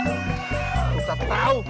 gue tak tau